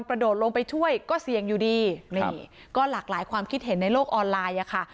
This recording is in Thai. กระโดดลงไปช่วยก็เสี่ยงอยู่ดีนี่ก็หลากหลายความคิดเห็นในโลกออนไลน์อะค่ะ